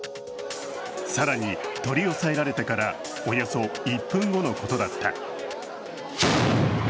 更に、取り押さえられてからおよそ１分後のことだった。